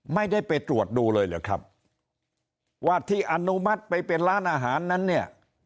ไม่ได้ไปตรวจดูเลยเหรอครับว่าที่อนุมัติไปเป็นร้านอาหารนั้นเนี่ย